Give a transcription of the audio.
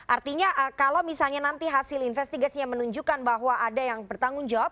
artinya kalau misalnya nanti hasil investigasinya menunjukkan bahwa ada yang bertanggung jawab